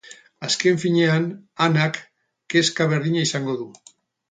Azken finean, Anak kezka berdina izango du.